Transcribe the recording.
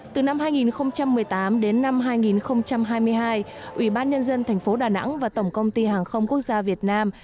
từ năm hai nghìn một mươi tám đến năm hai nghìn hai mươi hai ủy ban nhân dân thành phố đà nẵng và tổng công ty hàng không quốc gia việt nam